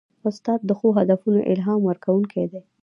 استاد د ښو هدفونو الهام ورکوونکی دی.